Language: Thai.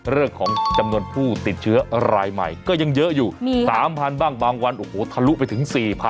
เรื่องของจำนวนผู้ติดเชื้อรายใหม่ก็ยังเยอะอยู่๓๐๐๐บ้างบางวันโอ้โหทะลุไปถึง๔๐๐๐